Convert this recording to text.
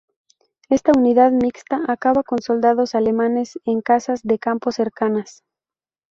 Esta unidad mixta acaba con soldados alemanes en casas de campo cercanas.